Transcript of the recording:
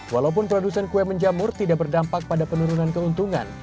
walaupun produsen kue menjamur tidak berdampak pada penurunan keuntungan